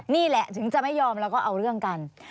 นี่แหละถึงจะไม่ยอมแล้วก็เอาเรื่องกัน